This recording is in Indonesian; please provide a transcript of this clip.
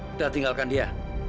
udah tinggalkan dia